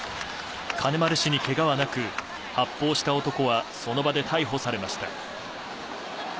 金丸氏にけがはなく、発砲した男はその場で逮捕されました。